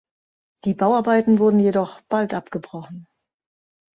Die Bauarbeiten wurden jedoch bald abgebrochen.